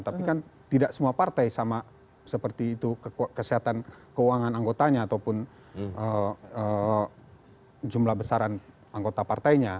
tapi kan tidak semua partai sama seperti itu kesehatan keuangan anggotanya ataupun jumlah besaran anggota partainya